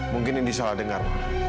mungkin indi salah dengar